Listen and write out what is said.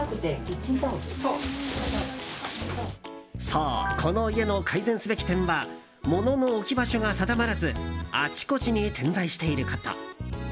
そう、この家の改善すべき点は物の置き場所が定まらずあちこちに点在していること。